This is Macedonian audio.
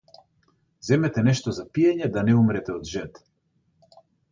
Земете нешто за пиење да не умрете од жед.